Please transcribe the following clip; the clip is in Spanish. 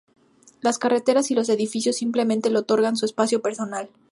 Las carreteras y los edificios simplemente le otorgan su espacio personal.